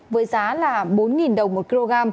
với giá là bốn đồng